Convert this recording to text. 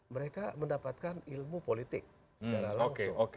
mereka mendapatkan ilmu politik secara langsung